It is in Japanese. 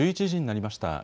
１１時になりました。